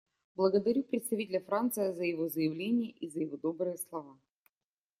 Благодарю представителя Франции за его заявление и за его добрые слова.